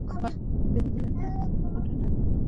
ভেবে পেলেন না ঘটনা এত দ্রুত ছড়াচ্ছে কীভাবে?